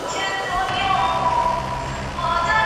پخوا ژوند څنګه تنظیم سوی و؟